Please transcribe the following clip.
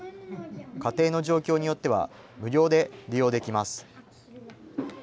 家庭の状況によっては、無料で利用できます。